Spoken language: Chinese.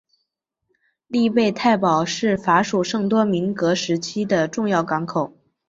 利贝泰堡是法属圣多明戈时期的重要港口。